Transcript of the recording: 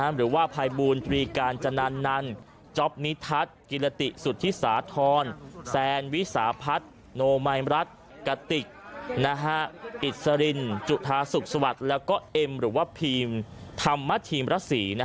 หรือว่าภัยบูรตรีกาญจนันนันจ๊อปนิทัศน์กิรติสุธิสาธรแซนวิสาพัฒน์โนมัยรัฐกติกอิสรินจุธาสุขสวัสดิ์แล้วก็เอ็มหรือว่าพีมธรรมธีมรสี